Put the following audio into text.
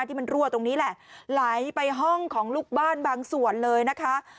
ที่มันรั่วตรงนี้แหละไหลไปห้องของลูกบ้านบางส่วนเลยนะคะ